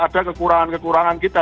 sarang publik itu